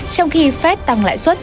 trong khi phép tăng lại suất